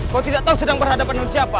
kau tidak tahu sedang berhadapan dengan siapa